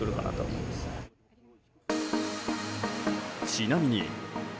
ちなみに。